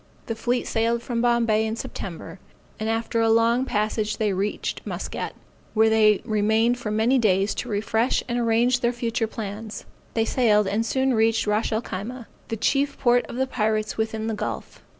The fleet sailed from Bombay in September, and after a long passage they reached Muscat, where it remained for many days to refresh and arrange their future plans; they sailed and soon reached Ras el Khyma, the chief port of the pirates within the gulf.